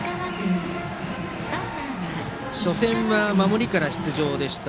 初戦は守りから出場でした。